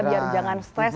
biar jangan stress